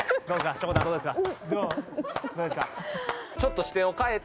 しょこたんどうですか？